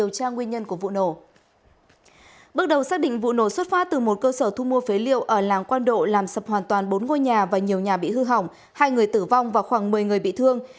bước đầu xác định vụ nổ xuất phát từ một cơ sở thu mua phế liệu ở làng quan độ làm sập hoàn toàn bốn ngôi nhà và nhiều nhà bị hư hỏng hai người tử vong và khoảng một mươi người bị thương